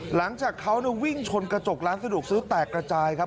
หลังจากเขาวิ่งชนกระจกร้านสะดวกซื้อแตกกระจายครับ